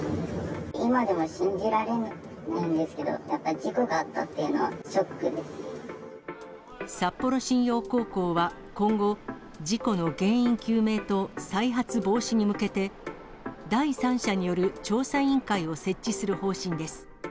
今でも信じられないんですけど、事故があったっていうのはショッ札幌新陽高校は、今後、事故の原因究明と再発防止に向けて、第三者による調査委員会を設置する方針です。